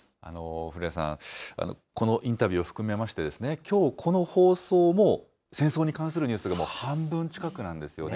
古谷さん、このインタビューを含めまして、きょう、この放送も戦争に関するニュースがもう半分近くなんですよね。